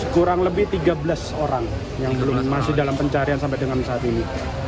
kurang lebih tiga belas orang yang masih dalam pencarian sampai dengan saat ini